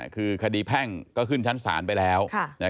คือคดีแพ่งก็ขึ้นชั้นศาลไปแล้ว